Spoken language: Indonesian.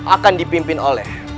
akan dipimpin oleh